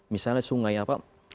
misalnya sungai apa